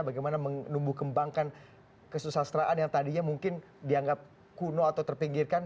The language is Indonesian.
bagaimana menumbuh kembangkan kesusastraan yang tadinya mungkin dianggap kuno atau terpinggirkan